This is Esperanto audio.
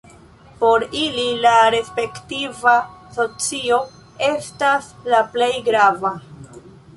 Por ili la respektiva socio estas la plej grava.